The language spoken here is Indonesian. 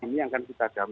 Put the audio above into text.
yang akan diperhatikan